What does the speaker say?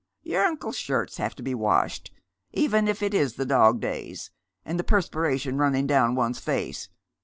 "Your uncle's shirts have to be washed, even if it is the dog days, and the perspiration running down one's face.